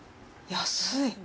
安い。